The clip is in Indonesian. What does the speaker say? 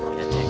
kamu mau ke pos